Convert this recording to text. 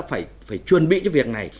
đã phải chuẩn bị cho việc này